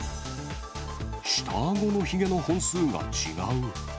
下あごのひげの本数が違う。